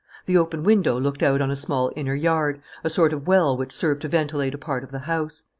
The open window looked out on a small inner yard, a sort of well which served to ventilate a part of the house.